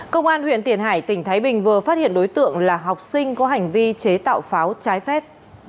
công an huyện tiền hải tỉnh thái bình vừa phát hiện đối tượng là học sinh có hành vi chế tạo pháo trái phép